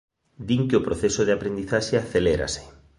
Din que o proceso de aprendizaxe acelérase.